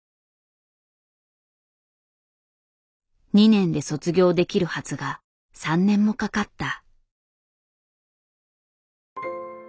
２年で卒業できるはずが３年もかかった。